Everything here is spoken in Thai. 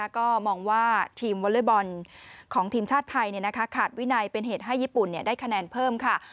ก็มองว่าทีมวอเล็กบอลของทีมชาติไทยขาดวินัยเป็นเหตุให้ญี่ปุ่นได้คะแนนเพิ่มค่ะ